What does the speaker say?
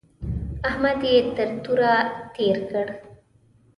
احمد يې تر توره تېر کړ.